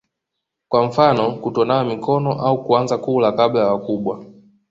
kwa mfano kutonawa mikono au kuanza kula kabla ya wakubwa